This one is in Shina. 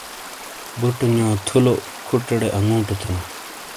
بٹنو تھلو، کھٹوٹے انگوٹو تھینا۔